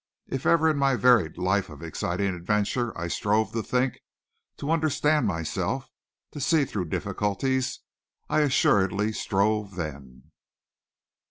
If ever in my varied life of exciting adventure I strove to think, to understand myself, to see through difficulties, I assuredly strove then.